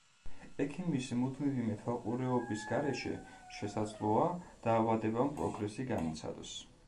ექიმის მუდმივი მეთვალყურეობის გარეშე, შესაძლოა, დაავადებამ პროგრესი განიცადოს.